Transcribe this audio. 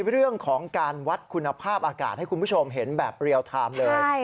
เรื่องของการวัดคุณภาพอากาศให้คุณผู้ชมเห็นแบบเรียลไทม์เลย